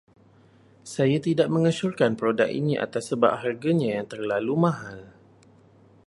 Saya tidak mengesyorkan produk ini atas sebab harganya yang terlalu mahal.